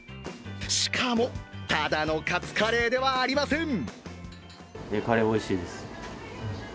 しか、ただのカツカレーではありません。